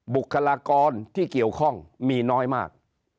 บุคลากรที่เกี่ยวข้องมีน้อยมาก